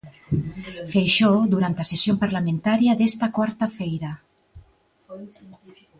Feixóo, durante a sesión parlamentaria desta cuarta feira.